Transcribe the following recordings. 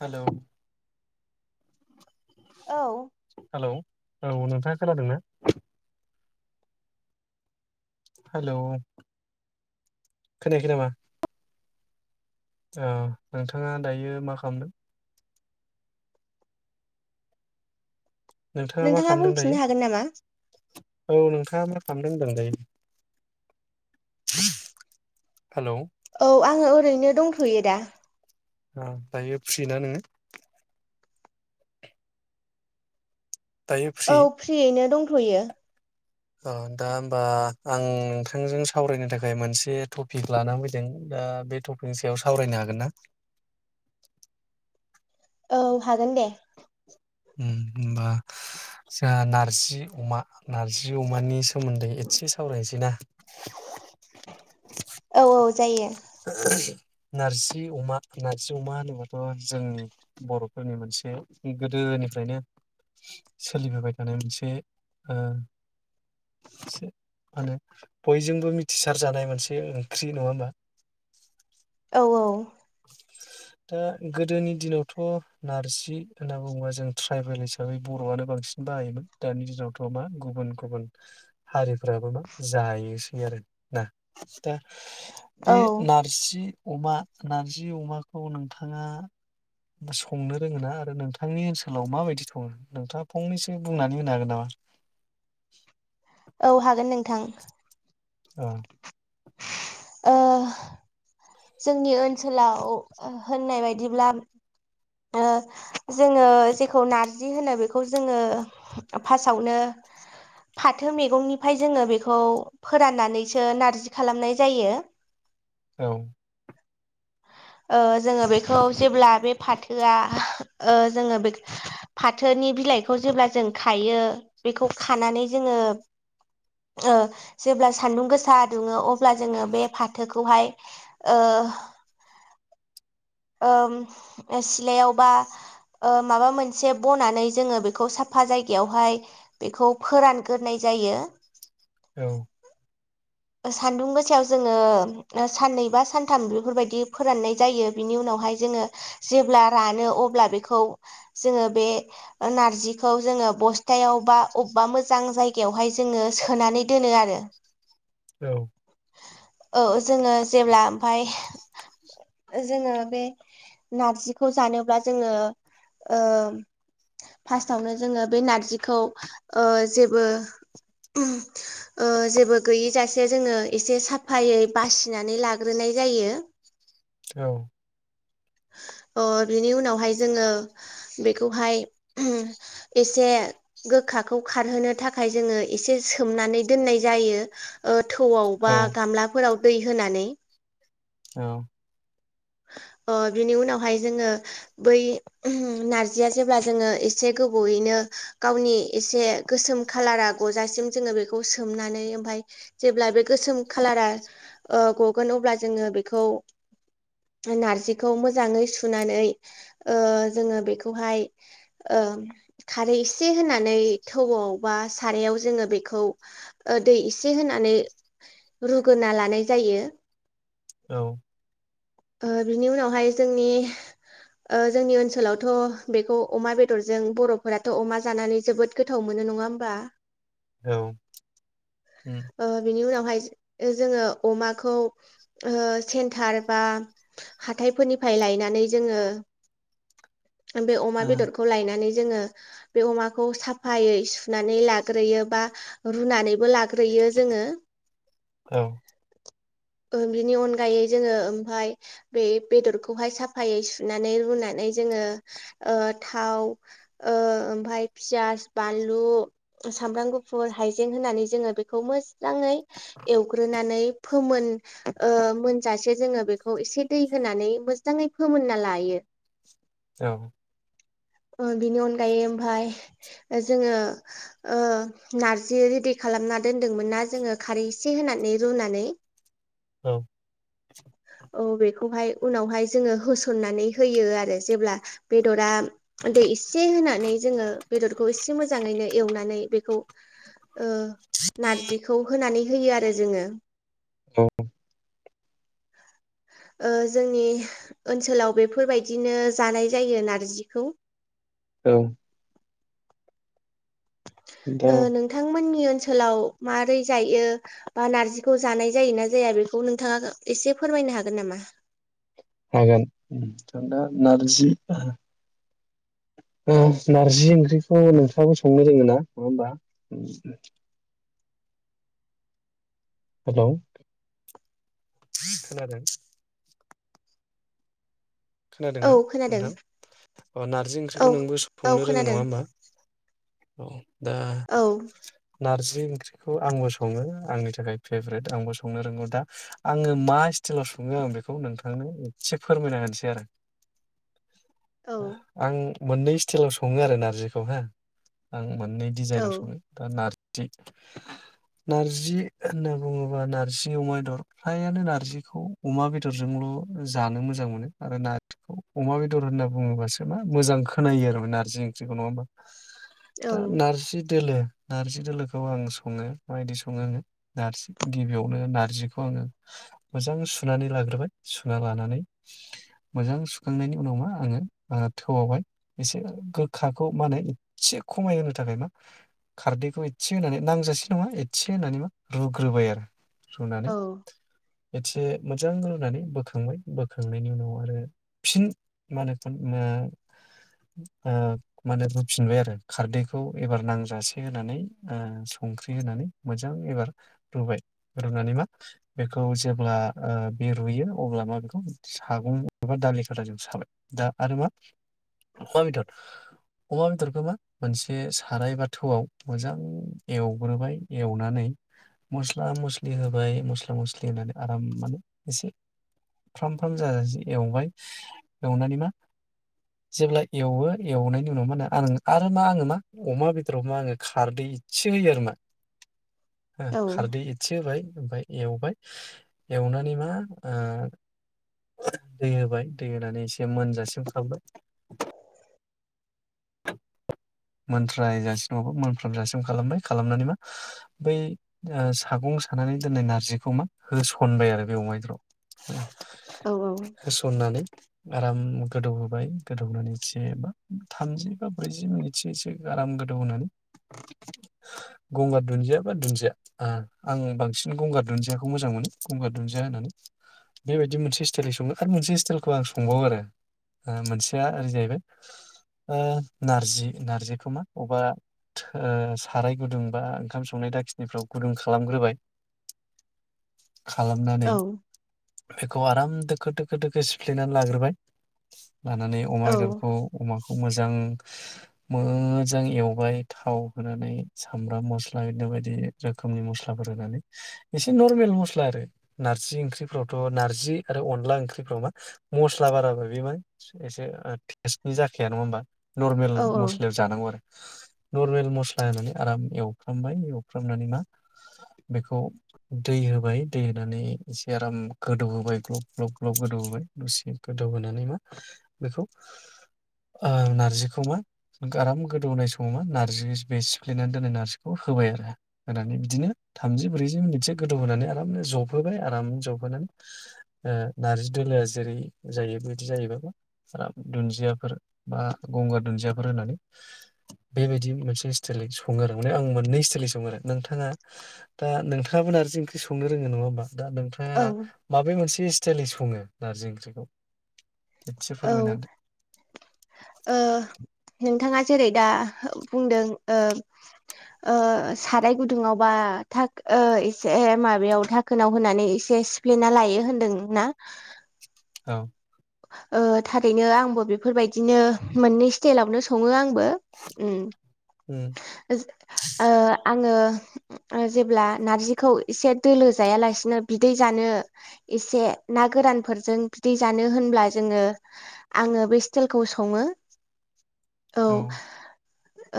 Hello औ। Hello औ नोंथाङा खोनादों ना? हेलौ खोनायाखै नामा? ओ नोंथाङा दायो मा खामदों? मा नोंथाङा खालामदों दायो बुंफिननो हागोन नामा? औ नोंथाङा मा खामदों होनदों दायो? [inaudible] औ आङो ओरैनो दंथ'यो दा। आ दायो फ्रि ना नोङो? दायो फ्रि औ फ्रियैनो दं थ'यो। अ दा होमबा आं नोंथांजों सावरायनो थाखाय मोनसे थपिक लानानै फैदों दा बे थपिकनि सायाव सावरायनो हागोन ना? औ हागोन दे। ओम होमबा आदसा नार जि अमा नार्जि अमानि सोमोन्दै एसे सावरायनोसै ना? औ औ जायो [inaudible] नारजि अमा नारजि अमा होनोबाथ' जोंनि बर'फोरनि मोनसे गो दोनिफ्रायनो सोलिबोबाय थानाय मोनसे ओ मा होनो? बयजोंबो मिथिसार जानाय मोनसे ओंख्रि। नङा होमबा? अ दा गोदोनि दिनावथ' नारजि होनना बुङोबा जों ट्राइबेल हिसाबै बर'आनो बांसिन बाहायोमोन दानि दिनावथ' मा गुबुन गुबुन हारि फोराबो मा जायो ए आरोना खिथा। बे औ नारजि। अमा। नारजि अमाखौ नोंथाङा संनो रोङोना आरो नोंथांनि ओनसोलाव माबायदि सङो नोंथाङा फंनैसो बुंनानै होनो हागोन नामा? औ हागोन नोंथां। औ। ओ। जोंनि ओनसोलाव होननाय बायदिब्ला ओ। जोङो जेखौ नार जि होनो बेखौ जोङो फासावनो फाथो मैगंनिफ्राय जोङो बेखौ फोराननानैसो नारजि खालामनाय जायो। औ। ओ जोङो बेखौ जेब्ला बे फाथो थोआ ओ जोङो बे फाथोनि बिलाइखौ जेब्ला जों खायो बेखौ खानानै जोङो ओ जेब्ला सानदुं गोसा दुङो अब्ला जोङो बे फाथोखौहाय ओ ओम सिलायाव बा ओ माबा मोनसे बनानै जोङो बेखौ साफा जायगायावहाय बेखौ फोरानगोरनाय जायो। औ। सान्दुं गोसायाव जोङो साननै बा सानथाम बेफोरबायदि फोराननाय जायो बिनि उनावहाय जोङो जेब्ला रानो अब्ला बेखौ जोङो बे नारजिखौ जोङो बस्थायाव बा अबेबा मोजां जायगायावहाय जोङो सोनानै दोनो आरो। औ। औ जोङो जेब्ला ओमफाय जोङो बे नारजिखौ जानोब्ला जोङो ओ फास्टआवनो जोङो बे नारजिखौ ओ जेबो ओहोम ओ जेबो गैयि जास से जोङो एसे साफायै बासिनानै लाग्रोनाय जायो। औ। अ बिनि उनावहाय जोङो बेखौहाय ओहोम एसे गोखाखौ खारहोनो थाखाय जोङो एसे सोमनानै दोननाय जायो ओ थौआव औ बा गामलाफोराव दै होनानै। औ। ओ बिनि उनावहाय जोङो बै ओहोम नारजिया जेब्ला जोङो एसे गोबावयैनो गावनि एसे गोसोम खालारा गजासिम जोङो बेखौ सोमनानै ओमफाय जेब्ला बे गोसोम खालारा ओ गगोन अब्ला जोङो बेखौ नारजिखौ मोजाङै सुनानै ओ जोङो बेखौहाय ओ खारै एसे होनानै थौआव बा सारायाव जोङो बेखौ ओ दै एसे होनानै रुगोरना लानाय जायो। औ। ओ बिनि उनावहाय जोंनि ओ जोंनि ओनसोलावथ' बेखौ अमा बेदरजों बर'फोराथ' अमा जानानै जोबोद गोथाव मोनो नङा होमबा? औ। ओ बिनि उनाव बेहायज जोङो अमाखौ ओ सेन्टार बा हाथाइफोरनिफ्राय लायनानै जोङो बे अमा ओ बेदरखौ लायनानै ज जोङो बे अमाखौ साफायै सुनानै लाग्रोयो बा रुनानैबो लाग ग्रोयो जोङो। [inaudible] औ ओ बिनि अनगायै जोङो ओमफाय बे बेदरखौहाय साफायै सुनानै रुनानै जोङो ओ थाव ओ ओमफाय पियास, बानलु, सामब्राम गुफुर, हायजें होनानै जोङो बेख खौ मोजाङै एवग्रोनानै फोमोन ओ मोनजासे जोङो बेखौ एसे दै होनानै मोजाङै फोमोनना लायो। औ। ओ बिनि अनगायै ओमफाय जोङो ओ नारजि रेडि खालामना दोनदोंमोन ना जोङो खारै होनानै रुनानै औ। औ बेखौहाय उनावहाय जोङो होस'ननानै होयो आरो जेब्ला बेदरा दै एसे होनानै जोङो बेदरखौ एसे मोजाङैनो एवनानै बेखौ ओ नारजिखौ होनानै होयो आरो जोङो। औ। ओ जोंनि ओनसोलाव बेफोरबायदिनो जानाय जायो नारजिखौ। औ। दा ओ नोंथांमोननि ओन ओनसोलाव मारै जायो बा नारजिखौ जानाय जायो ना जाया बेखौ नोंथाङा एसे फोरमायनो हागोन नामा। हागोन आं दा नारजि। ओ नारजि ओंख्रिखौ नोंथाङाबो संनो रोङो ना नङा होमबा। हेलौ। [unintelligible] खोनादों। औ खोनादोंना खोनादों नोंथां अ नारजि ओंख्रिखौ औ नोंबो औ संनो रोङो नङा खोनादों होमबा औ दा। औ नारजि ओंख्रिखौ आंबो सङो आंनि थाखाय फेभरेट आंबो संनो रोंगौ दा आङो मा स्टाइलाव सङो आं बेखौ नोंथांनो एसे फोरमायना होनोसै। देर औ आं। मोननै स्टाइलाव सङो आरो नारजिखौ हो आं मोन। सनाय डिजाइनाव सङो औ दा नारो थ नारजि होनना बुङोब्ला नारजि अमा बेदर फ्रायानो नारजिखौ अमा बेदरजोंल' जानो मोजां मोनो। आरो नारजिखौ अमा बेदर होनना बुङोबासो मा मोजां खोनायो आरो नारजि ओंख्रिखौ नङा होमबा। दा नारजि दोलोे। नार्जि दोलोखौ आं सङो माबायदि सङो आङो नारजि गिबियावनो नार्जिखौ आङो मोजां सुनानै लाग्रोबाय सुना लानानै। मोजां सुखांनायनि उनाव मा आङो ओ थौआवहाय एसे गोखाखौ मा होनो एसे खमाय होनो थाखाय मा खारदैखौ एसे होनानै नांजासे नङा एसे होनानै मा रुग्रोबाय आरो। सुनानै। औ एसे मोजां रुनानै बोखांबाय बोखांनायनि उनाव। आरो फिन मा होनो माने ओ रुफिनबाय आरो खारदैखौ एबार नांजासे होनानै संख्रि होनानै मोजां एबार रुबाय रुनानै मा बेखौ जेब्ला ओ बे रुयो अब्ला मा बेखौ सागं। बेबा दालि खाथाजों सालाय दा आरो मा। अमा बेदर। अमा बेदरखौ मा मोनसे साराय बा थौआव मोजां एवग्रोबाय एवनानै मस्ला मस्लि होबाय मस्ला मस्लि होनानै आराम मान एसे फ्राम फ्राम जाजासै। एवबाय एवनानै मा जेब्ला एवो एवनायनि उनाव मा होनो आं आरो मा आङो मा अमा बेदराव मा आङो खारदै इसे होयो आरो मा। हो औ खारदै एसे होबाय। ओमफाय एवबाय एवनानै मा ओ। दै होबाय दै होनानै एसे मोनजासिम खालामबाय। मोनथ्रायजासिमबावो मोनफ्रामजासिम खालामबाय खालामनानै मा बैओ सागं सानानै दोननाय नारजिखौ मा होसनबाय आरो बे अमायद्र'। औ हो सननानै आराम गोदौ होबाय गोदौनानै एसे बा थामजि बा ब्रैजि मिनिट। एसे एसे आराम गोदौ होनानै गंगार दुन्दिया बा दुन्दिया आं बांसिन गंगार दुन्दियाखौ मोजां मोनो गंगार दुन्दिया होननानै बेबायदि मोनसे स्टाइलै सङो आरो मोनसे स्टाइलखौ आं संबावो आरो मोनसेया ओरै जाहैबाय ओ नारजि। नारजिखौ मा अबेबा ओ साराय गुदुं बा ओंखाम संनाय दाखिनिफ्राव गुदुं खालामग्रोबाय। खालामनानै औ बेखौ आराम दोखो-दो दोखो-दोखो सिफ्लेनानै लाग्रोबाय लानानै अमा औ बेदरखौ अमाखौ मोजां मोजां एवबाय थाव होनानै सामब्राम मस्ला बिदिनो बायदि रोखोमनि मस्लाफोर होनानै एसे नरमेल मस्ला आरो नारजि ओंख्रिफ्रावथ' नार्जि आरो अनला ओंख्रिफ्राव मा मस्ला बाराबा बे मा एसे टेस्टबो जाखाया नङा होमबा। नरमेल औ मस आरो नरमेल मस्ला होनानै आराम एवफ्रामबाय एवफ्रामनानै मा बेखौ दै होबाय दै होनानै एसे आराम गोदौ होबाय ग्लब-ग्लब गोदौ होबाय दसे गोदौहानै मा बेखौ ओ नारजिखौ मा आराम गोदौ होनाय समाव मा नारजि बे सिफ्लेनानै दोननाय नारजिखौ होबाय आरो होनानै बिदिनो थामजि ब्रैजि मिनिटसो गोदौहोनानै आरामनो जबहोबाय आराम जबहोनानै नार्जि दोलोआ जेरै जायो बेदि जायोबाबो आराम दुन्दियाफोर बा गंगार दुन्दिया फोर होनानै बेबायदि मोनसे स्टाइलनि सङो आरो माने आं मोननै स्टाइलनि सङो आरो नोंथाङा दा नोंथाङाबो नारजि ओंख्रि संनो रोङो नङा होमबा। दा नोंथाङा औ माबे मोनसे स्टाइलनि सङो नारजि ओंख्रिखौ एसे फोरमायना होदो औ ओ नोंथाङा जेरै दा बुंदों ओ ओ साराय गुदुङाव बा एसे माबायाव धाखोनाव होनानै एसे सिफ्लेना लायो होनदोंना। औ ओ थारैनो आंबो बेफोरबायदिनो मोननै स्टाइलावनो सङो आं बो अम उम ओ आंङो ओ जेब्ला नारजिखौ एसे दोलो जायालासिनो बिदै जानो एसे ना गोरानफोरजों बिदै जानो होन ब्ला जोंङो आंङो बै स्ताइलखौ सङो। औ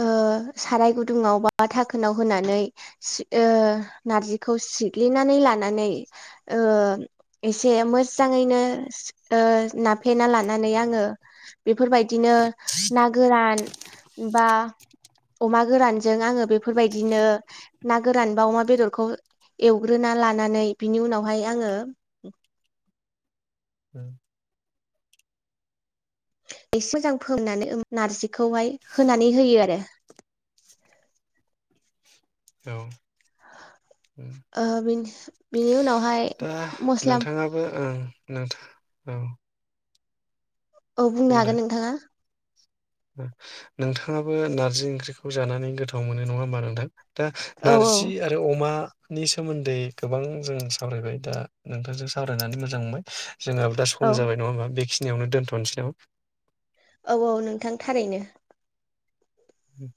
ओ साराय गुदुङाव बा थाखोनाव होनानै सि ओ नारजिखौ सिग्लिनानै लानानै ओ एसे मोजाङैनो ओ नाफ्लेना लानानै आंङो बेफोरबायदिनो ना गोरान बा अमा गोरानजों आंङो बेफोरबायदिनो ना गोरान बा अमा बेदरखौ एवग्रोना लानानै बिनि उनावहाय आंङो औ एसे मोजां फोमोननानै नार्जिखौहाय होनानै होयो आरो। औ उम ओ बि बिनि उनाव दा नोंथाङाबो ओं नोंथां औ औ बुंनो बुंदो हागोन नोंथाङा नोंथाङाबो नारजि ओंख्रिखौ जानानै गोथाव मोनो नङा होमबा नोंथां दा औ नारजि आरो अमा नि सोमोन्दै गोबां जों सावरायबाय दा नोंथांजों सावरायनानै मोजां मोनबाय। जोंनाबो दा औ सम जाबाय नङा होनबा बि खिनियावनो दोन्थ'नोसै नामा। औ औ नोंथां थारैनो अम